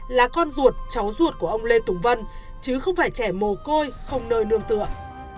là con ruột cháu ruột của ông lê tùng vân chứ không phải trẻ mồ côi không nơi nương tựa